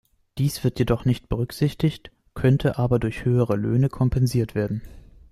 Dies wird jedoch nicht berücksichtigt, könnte aber durch höhere Löhne kompensiert werden.